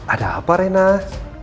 ada apa renan